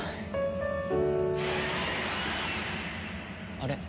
あれ？